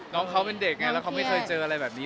น้องเขาเป็นเด็กไงแล้วเขาไม่เคยเจออะไรแบบนี้